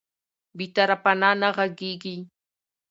بې طرفانه نه غږیږي